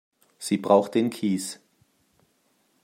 Sie braucht den Kies.